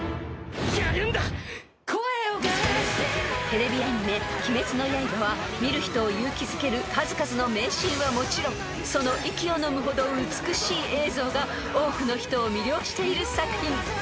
［テレビアニメ『鬼滅の刃』は見る人を勇気づける数々の名シーンはもちろんその息をのむほど美しい映像が多くの人を魅了している作品］